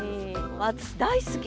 私大好き！